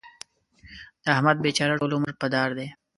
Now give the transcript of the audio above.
د احمد بېچاره ټول عمر په دار دی.